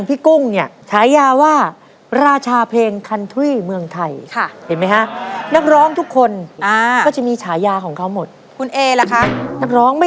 พี่เอเชยาค่ะเออนี่อ่ะมันต้องอย่างนี้อ่ะ